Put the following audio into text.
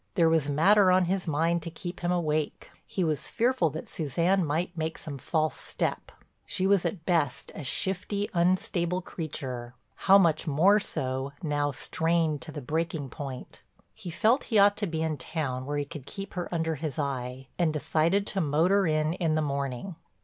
There was matter on his mind to keep him awake; he was fearful that Suzanne might make some false step. She was at best a shifty, unstable creature, how much more so now strained to the breaking point. He felt he ought to be in town where he could keep her under his eye, and decided to motor in in the morning.